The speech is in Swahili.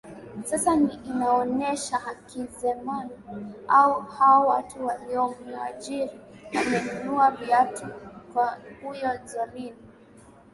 Sasa inaonesha Hakizemana au hao watu waliomuajiri wamenunua viatu kwa huyo Zolin